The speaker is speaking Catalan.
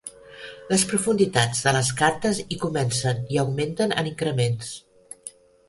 Les profunditats de les cartes hi comencen i augmenten en increments.